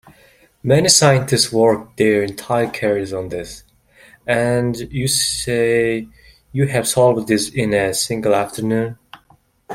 Many scientists work their entire careers on this, and you say you have solved this in a single afternoon?